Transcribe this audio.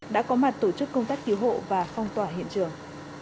đã có mặt tổ chức công tác cứu hộ và phong tỏa hiện trường